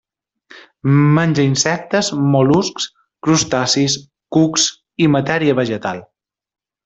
Menja insectes, mol·luscs, crustacis, cucs i matèria vegetal.